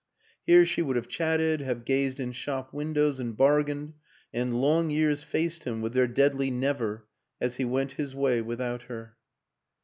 Here she would have chatted, have gazed in shop windows and bargained ... and long years faced him with their deadly never as he went his way without her.